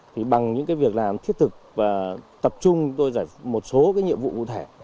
thì bằng những cái việc làm thiết thực và tập trung tôi giải một số cái nhiệm vụ cụ thể